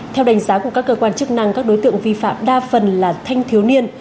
theo đánh giá của các cơ quan chức năng các đối tượng vi phạm đa phần là thanh thiếu niên